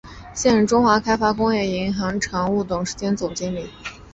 现任中华开发工业银行常务董事兼总经理。